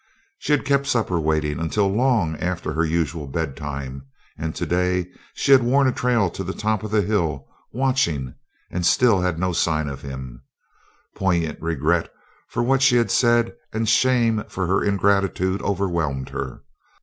She had kept supper waiting until long after her usual bedtime and to day she had worn a trail to the top of the hill, watching, and still had seen no sign of him. Poignant regret for what she had said and shame for her ingratitude overwhelmed her.